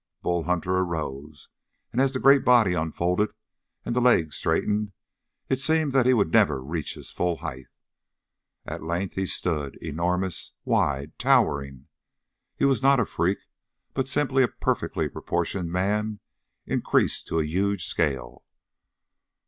Bull Hunter arose; and as the great body unfolded and the legs straightened, it seemed that he would never reach his full height. At length he stood, enormous, wide, towering. He was not a freak, but simply a perfectly proportioned man increased to a huge scale.